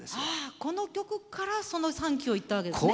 この曲からその「サンキュー」を言ったわけですね。